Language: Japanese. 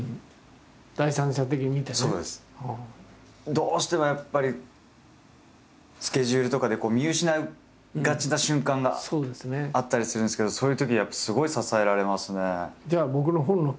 どうしてもやっぱりスケジュールとかで見失いがちな瞬間があったりするんですけどそういうときやっぱすごい支えられますね。